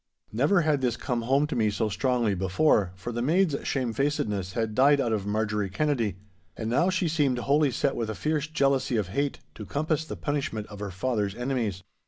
Never had this come home to me so strongly before, for the maid's shamefacedness had died out of Marjorie Kennedy; and now she seemed wholly set with a fierce jealousy of hate to compass the punishment of her father's enemies.